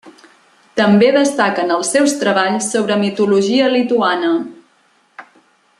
També destaquen els seus treballs sobre mitologia lituana.